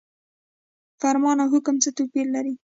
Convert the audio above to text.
فرمان او حکم څه توپیر لري؟